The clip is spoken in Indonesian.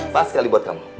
pas sekali buat kamu